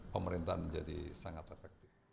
pemerintahan menjadi sangat efektif